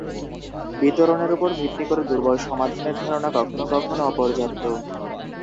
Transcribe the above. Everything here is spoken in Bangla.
বিতরণের উপর ভিত্তি করে দুর্বল সমাধানের ধারণা কখনও কখনও অপর্যাপ্ত।